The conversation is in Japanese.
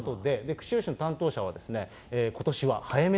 釧路市の担当者は、ことしは早め